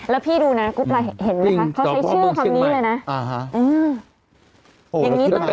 แล้วพี่ดูนะกรุ๊ปลายเห็นไหมคะเขาใช้ชื่อความนี้เลยนะอ่าฮะเออ